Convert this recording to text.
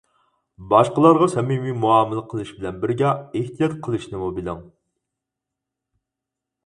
باشقىلارغا سەمىمىي مۇئامىلە قىلىش بىلەن بىرگە ئېھتىيات قىلىشنىمۇ بىلىڭ.